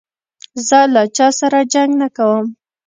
زه له چا سره جنګ نه کوم.